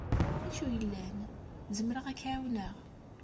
D acu yellan? Zemreɣ ad k-ɛawneɣ?